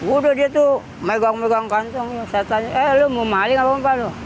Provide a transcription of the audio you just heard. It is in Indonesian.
udah dia tuh megang megang kantong saya tanya eh lu mau maling apa apa lo